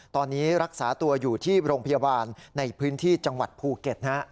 ตอนนี้รักษาตัวอยู่ที่โรงพยาบาลในพื้นที่จังหวัดภูเก็ต